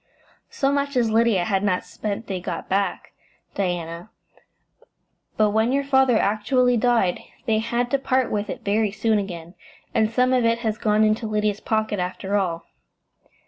"So much as Lydia had not spent they got back, Diana; but when your father actually died they had to part with it very soon again, and some of it has gone into Lydia's pocket after all."